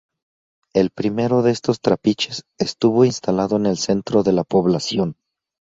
El primero de estos trapiches estuvo instalado en el centro de la población.